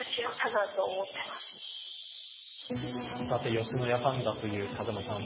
吉野家ファンだという風間さん